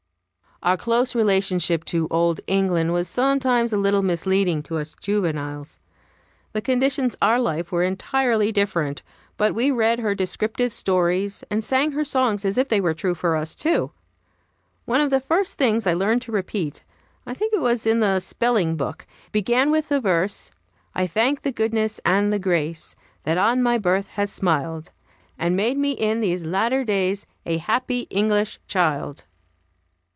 OUR close relationship to Old England was sometimes a little misleading to us juveniles. The conditions of our life were entirely different, but we read her descriptive stories and sang her songs as if they were true for us, too. One of the first things I learned to repeat I think it was in the spelling book began with the verse: "I thank the goodness and the grace That on my birth has smiled, And made me, in these latter days, A happy English child."